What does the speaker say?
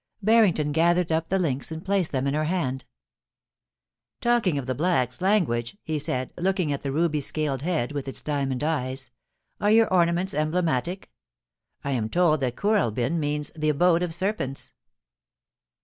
Barrington gathered up the links and placed them in her hand * Talking of the blacks' language,' he said, looking at the ruby scaled head with its diamond eyes, * are your orna ments emblematic ? I am told that Kooralbyn means " the abode of serpents."